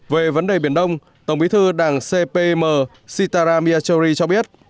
về vấn đề biển đông tổng bí thư đảng cpm sitaram yachori cho biết